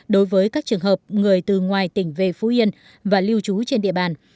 đối với các trường hợp người từ ngoài tỉnh về phú yên và lưu trú trên địa bàn